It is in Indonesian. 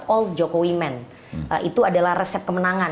all jokowi men itu adalah resep kemenangan